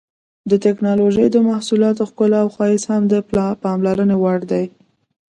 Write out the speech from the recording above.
د ټېکنالوجۍ د محصولاتو ښکلا او ښایست هم د پاملرنې وړ دي.